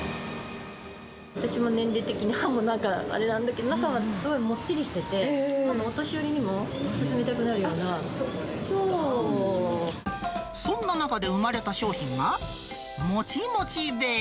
私も年齢的に歯もなんか、あれなんだけど、中はすごいもっちりしてて、そんな中で生まれた商品が、もちもちベー。